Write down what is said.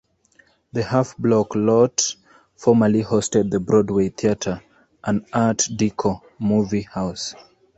The half-block lot formerly hosted the Broadway Theater, an art deco movie house.